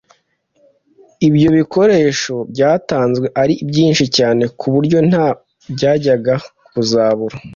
ibyo bikoresho byatanzwe ari byinshi cyane ku buryo nta byajyaga kuzabura